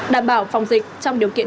đảm bảo phòng dịch trong điều kiện